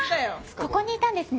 ここにいたんですね。